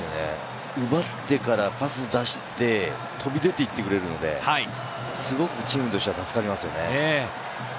奪ってからパス出して、飛び出ていってくれるので、すごくチームとしては助かりますよね。